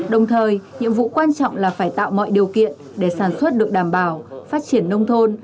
đồng thời nhiệm vụ quan trọng là phải tạo mọi điều kiện để sản xuất được đảm bảo phát triển nông thôn